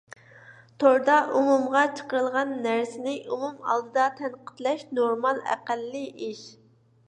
توردا ئومۇمغا چىقىرىلغان نەرسىنى ئومۇم ئالدىدا تەنقىدلەش نورمال ئەقەللىي ئىش.